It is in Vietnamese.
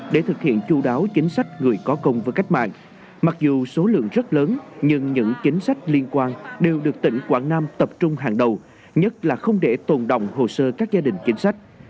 để thực hiện chú đáo chính sách người có công với cách mạng mặc dù số lượng rất lớn nhưng những chính sách liên quan đều được tỉnh quảng nam tập trung hàng đầu nhất là không để tồn động hồ sơ các gia đình chính sách